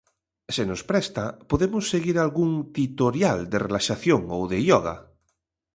Se nos presta, podemos seguir algún titorial de relaxación ou de ioga.